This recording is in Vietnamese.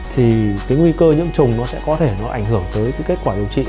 thì cái nguy cơ nhiễm trùng nó sẽ có thể nó ảnh hưởng tới cái kết quả điều trị